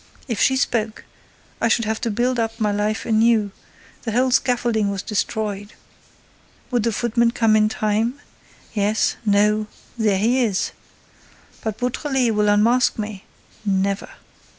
—If she spoke, I should have to build up my life anew, the whole scaffolding was destroyed.—Would the footman come in time? Yes—no—there he is.—But Beautrelet will unmask me! Never!